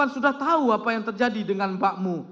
sudah tahu apa yang terjadi dengan mbakmu